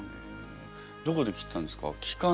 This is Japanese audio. どこで切ったんですか？